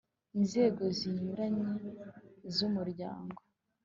inzego zinyuranye z'umuryango